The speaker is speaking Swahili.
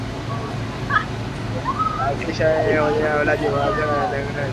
Huwa unaambukiza kupitia ulaji wa malisho yaliyoambukizwa